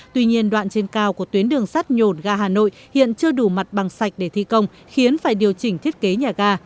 tuy nhiên đoạn trên cao của tuyến đường sắt nhồn ga hà nội hiện chưa đủ mặt bằng sạch để thi công khiến phải điều chỉnh thiết kế nhà ga